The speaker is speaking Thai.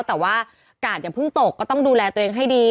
แต่ว่ากาดอย่าเพิ่งตกก็ต้องดูแลตัวเองให้ดี